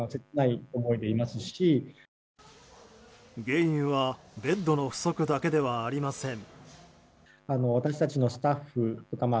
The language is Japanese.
原因はベッドの不足だけではありません。